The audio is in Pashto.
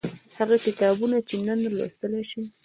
هغه کتابونه چې نن لوستلای شئ